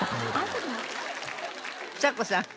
ちさ子さん